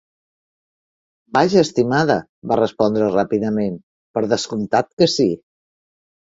"Vaja, estimada", va respondre ràpidament, "per descomptat que sí!"